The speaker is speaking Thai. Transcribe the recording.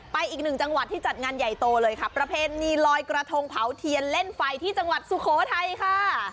อีกหนึ่งจังหวัดที่จัดงานใหญ่โตเลยค่ะประเพณีลอยกระทงเผาเทียนเล่นไฟที่จังหวัดสุโขทัยค่ะ